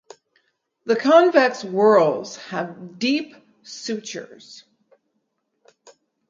The convex whorls have deep sutures.